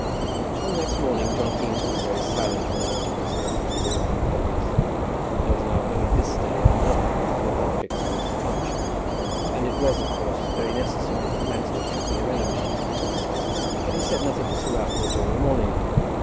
On the next morning John Eames was very silent when he went into Sir Raffle's room at the office. There was now only this day and another before that fixed for his departure, and it was of course very necessary that matters should be arranged. But he said nothing to Sir Raffle during the morning.